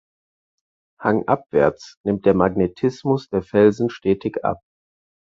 Hangabwärts nimmt der Magnetismus der Felsen stetig ab.